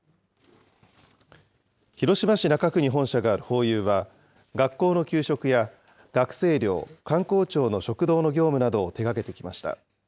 広島市中区に本社があるホーユーは、学校の給食や学生寮、官公庁の食堂の業務などを手がけてきました。